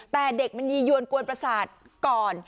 แต่เด็กมันยียวนกวนประสาทก่อน